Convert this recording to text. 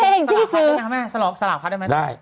ให้เองซื้อสลับค่ะด้วยนะคะแม่สลับสลับค่ะได้ไหมได้